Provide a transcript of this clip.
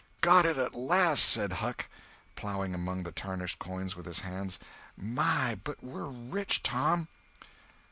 "Got it at last!" said Huck, ploughing among the tarnished coins with his hand. "My, but we're rich, Tom!"